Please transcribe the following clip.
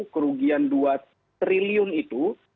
kerugian dua triliun itu